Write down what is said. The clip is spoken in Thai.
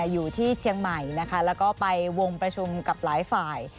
อยู่ที่เชียงใหม่นะคะแล้วก็ไปวงประชุมกับหลายฝ่าย